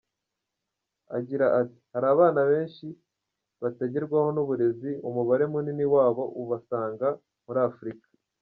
Agira ati “Hari abana benshi batagerwaho n’uburezi, umubare munini wabo ubasanga muri Afurika.